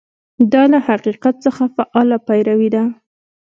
دا له حقیقت څخه فعاله پیروي ده.